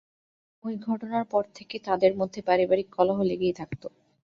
ওই ঘটনার পর থেকে তাঁদের মধ্যে পারিবারিক কলহ লেগেই থাকত।